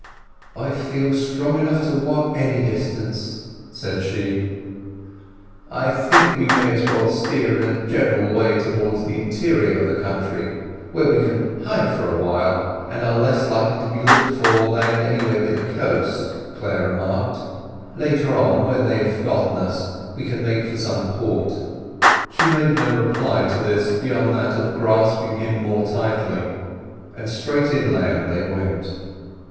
"I feel strong enough to walk any distance," said she. "I think we may as well steer in a general way towards the interior of the country, where we can hide for a time, and are less likely to be looked for than anywhere near the coast," Clare remarked. "Later on, when they have forgotten us, we can make for some port." She made no reply to this beyond that of grasping him more tightly, and straight inland they went.